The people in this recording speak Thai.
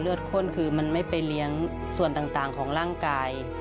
ข้นคือมันไม่ไปเลี้ยงส่วนต่างของร่างกาย